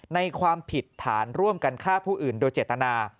ความผิดฐานร่วมกันฆ่าผู้อื่นโดยเจตนา